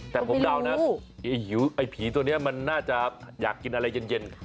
แต่ผมเดานะไอ้ผีตัวนี้มันน่าจะอยากกินอะไรเย็น